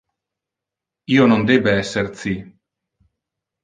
Io non debe esser ci.